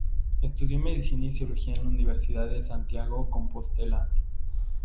Estudió Medicina y Cirugía en la Universidad de Santiago de Compostela.